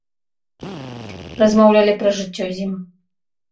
Размаўлялі пра жыццё з ім.